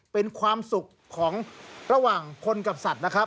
เป็นความสุขของระหว่างคนกับสัตว์นะครับ